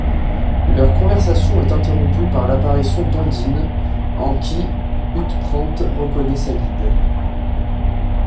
Leur conversation est interrompue par l'apparition d'Ondine, en qui Huldtbrandt reconnaît sa guide.